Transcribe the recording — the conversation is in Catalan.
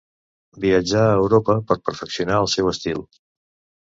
Viatjà a Europa per a perfeccionar el seu estil.